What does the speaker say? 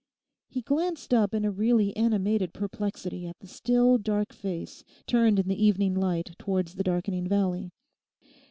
He glanced up in a really animated perplexity at the still, dark face turned in the evening light towards the darkening valley.